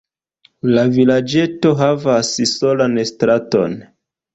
La vilaĝeto havas solan straton.